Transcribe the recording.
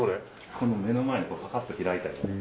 この目の前のパカッと開いたような。